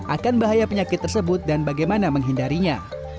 akan bahaya penyakit tersebut dan bagaimana menghindarinya